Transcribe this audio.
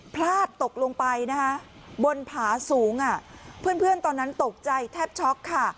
พลาดตกลงไปนะคะบนผาสูงอ่ะเพื่อนตอนนั้นตกใจแทบช็อกค่ะ